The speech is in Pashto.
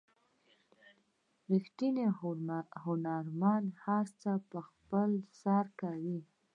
ریښتینی هنرمند هر څه په خپل سر کوي.